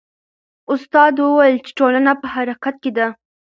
استاد وویل چې ټولنه په حرکت کې ده.